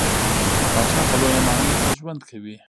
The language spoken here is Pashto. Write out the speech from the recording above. پاچا په لويه ماڼۍ کې ژوند کوي .